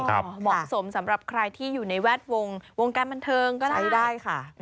เหมาะสมสำหรับใครที่อยู่ในแวดวงวงการบันเทิงก็ใช้ได้ค่ะ